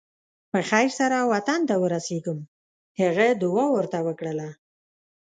په خیر سره وطن ته ورسېږم هغه دعا ورته وکړله.